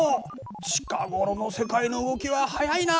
近頃の世界の動きは速いな。